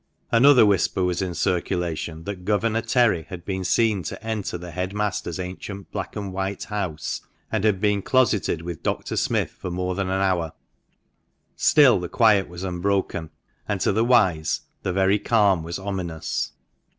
Another whisper was in circulation that Governor Terry had been seen to enter the head master's ancient black and white old house, and had been closeted with Dr. Smith for more than an hour. Still the quiet was unbroken, and, to the wise, the very calm was ominous.